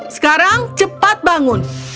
sekarang cepat bangun